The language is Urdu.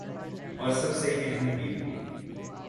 اور سب سے اہم بھی ۔